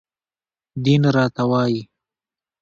دين راته وايي